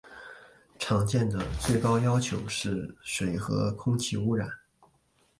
常见的最高要求是水和空气污染。